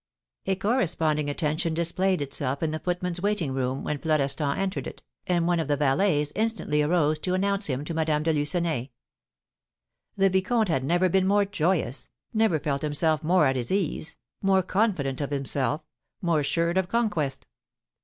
A corresponding attention displayed itself in the footman's waiting room when Florestan entered it, and one of the valets instantly arose to announce him to Madame de Lucenay. The vicomte had never been more joyous, never felt himself more at his ease, more confident of himself, more assured of conquest.